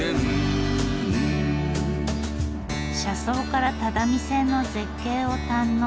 車窓から只見線の絶景を堪能。